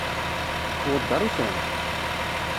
Tweddeṛ-iten?